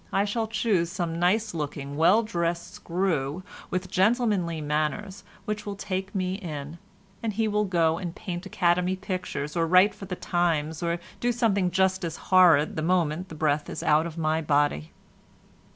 I shall choose some nice looking, well dressed screw, with gentlemanly manners which will take me in, and he will go and paint Academy pictures, or write for the Times, or do something just as horrid the moment the breath is out of my body."